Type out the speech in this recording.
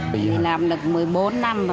vì làm được một mươi bốn năm